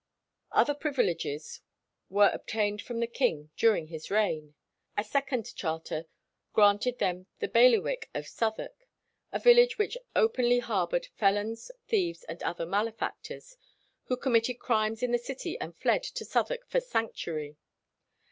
"[29:1] Other privileges were obtained from the king during his reign. A second charter granted them the bailiwick of Southwark, a village which openly harboured "felons, thieves, and other malefactors," who committed crimes in the city and fled to Southwark for sanctuary.